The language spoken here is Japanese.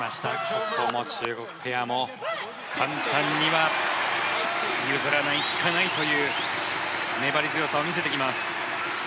ここも中国ペアも簡単には譲らない、引かないという粘り強さを見せてきます。